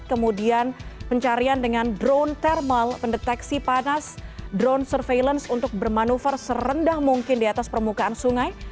kemudian pencarian dengan drone thermal pendeteksi panas drone surveillance untuk bermanuver serendah mungkin di atas permukaan sungai